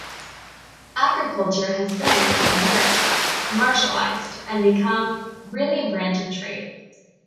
Agriculture has been, in America, commercialized, and become really a branch of trade.